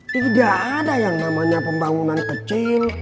tidak ada yang namanya pembangunan kecil